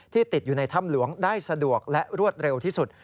ติดอยู่ในถ้ำหลวงได้สะดวกและรวดเร็วที่สุด